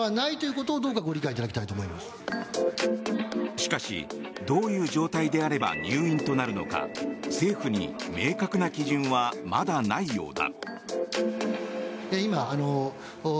しかし、どういう状態であれば入院となるのか政府に明確な基準はまだないようだ。